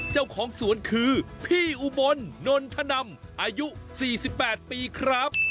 เจ้าของสวนคือพี่อุบลนนทนำอายุ๔๘ปีครับ